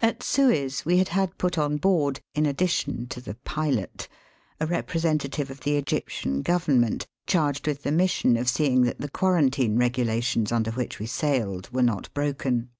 At Suez we had had put on board, in addition to the pilot, a representative of the Egyptian Government charged with the mission of seeing that the quarantine regula tions under which we sailed were not broken.